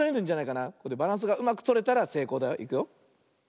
バランスがうまくとれたらせいこうだよ。いくよ。